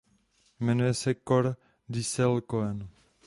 Jmenuje se Cor Disselkoen.